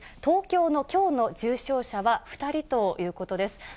東京のきょうの重症者は２人ということです。